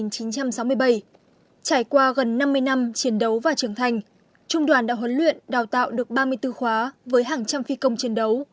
trải qua gần năm mươi năm chiến đấu và trưởng thành trung đoàn đã huấn luyện đào tạo được ba mươi bốn khóa với hàng trăm phi công chiến đấu